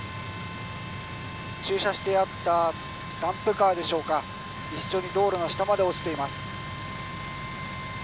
駐車してあったダンプカーでしょうか一緒に道路の下まで落ちています。